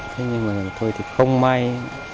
thế nhưng mà thôi thì không may